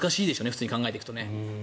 普通に考えていくとね。